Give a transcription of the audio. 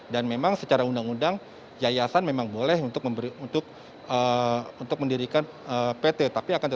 dan memang secara undang undang yayasan memang boleh untuk mendirikan pt